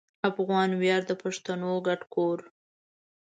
افغان ویاړ د پښتنو ګډ کور